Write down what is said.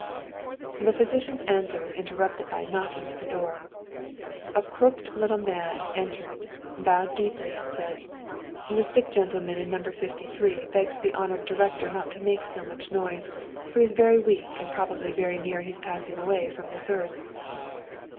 The physician's answer was interrupted by a knocking at the door. A crooked little man entered, bowed deeply and said :" The sick gentleman in No. 53 begs the hon ored director not to make so much noise, for he is very weak and probably very near his passing away from this earth."